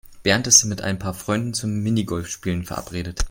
Bernd ist mit ein paar Freunden zum Minigolfspielen verabredet.